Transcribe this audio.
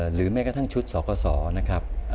หรือแม้กระทั่งชุดสกสนะครับ